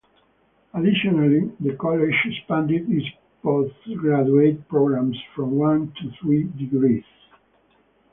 Additionally, the college expanded its postgraduate programmes from one to three degrees.